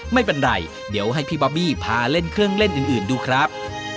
ไม่เป็นไรเดี๋ยวให้พี่บอบบี้พาเล่นเครื่องเล่นอื่นดูครับ